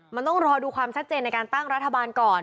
มันต้องรอดูความชัดเจนในการตั้งรัฐบาลก่อน